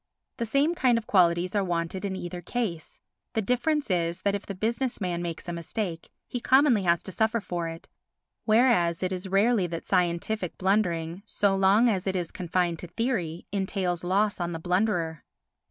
The same kind of qualities are wanted in either case. The difference is that if the business man makes a mistake, he commonly has to suffer for it, whereas it is rarely that scientific blundering, so long as it is confined to theory, entails loss on the blunderer.